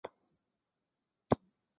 后来担任屯溪市委宣传部干部。